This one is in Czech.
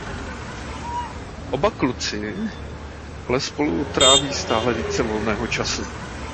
Oba kluci ale spolu tráví stále více volného času.